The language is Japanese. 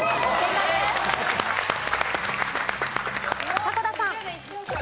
迫田さん。